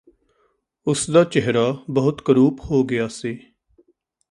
ਉਸਦਾ ਚਿਹਰਾ ਬਹੁਤ ਕਰੂਪ ਹੋ ਗਿਆ ਸੀ